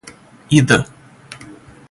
Ida.